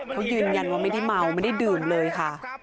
เขายืนยันว่าไม่ได้เมาไม่ได้ดื่มเลยค่ะ